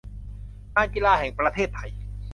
การกีฬาแห่งประเทศไทย